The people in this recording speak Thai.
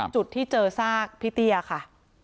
จุดที่เจอซากพี่เตี้ยค่ะ